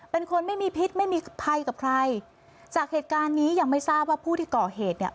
เป็นคนไม่มีพิษไม่มีภัยกับใครจากเหตุการณ์นี้ยังไม่ทราบว่าผู้ที่ก่อเหตุเนี่ย